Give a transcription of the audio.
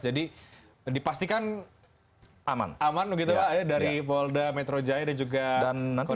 jadi dipastikan aman begitu pak dari polda metro jaya dan juga kodok jaya